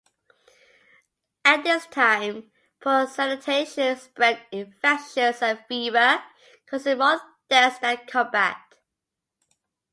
At this time poor sanitation spread infections and fever, causing more deaths than combat.